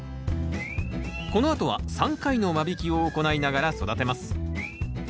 このあとは３回の間引きを行いながら育てます。